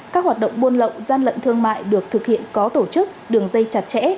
các hoạt động buôn lậu gian lận thương mại được thực hiện có tổ chức đường dây chặt chẽ